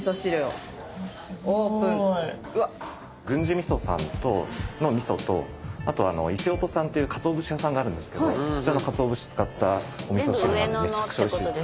郡司味噌さんの味噌とあと伊勢音さんっていうかつお節屋さんがあるんですがそちらのかつお節を使ったお味噌汁なんでおいしいです。